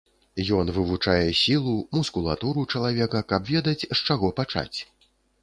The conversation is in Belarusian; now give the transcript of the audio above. Ён вывучае сілу, мускулатуру чалавека, каб ведаць, з чаго пачаць.